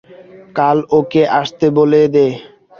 কাল ওকে আসতে বলে দে।